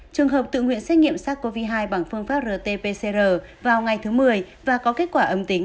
trường hợp tự nguyện xét nghiệm sars cov hai bằng phương pháp rt pcr vào ngày thứ một mươi và có kết quả âm tính